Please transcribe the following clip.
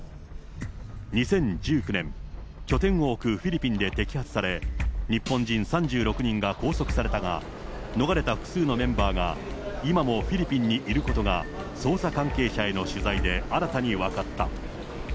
２０１９年、拠点を置くフィリピンで摘発され、日本人３６人が拘束されたが、逃れた複数のメンバーが、今もフィリピンにいることが、捜査関係者への取材で新たに分かった。